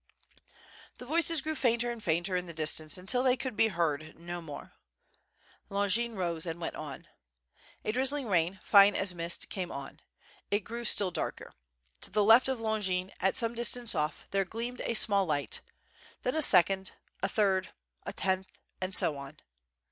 The voices grew fainter and fainter in the distance until they could be heard no more. Longin rose and went on. A drizzling rain, fine as mist, came on; it grew still darker. To the left of Longin at some distance off, there gleamed a small light, then a second, a third, a tenth, and so on.